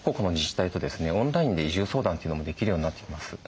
オンラインで移住相談というのもできるようになっています。